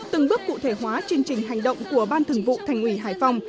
từng bước cụ thể hóa chương trình hành động của ban thường vụ thành ủy hải phòng